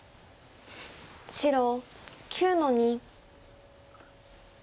白９の二。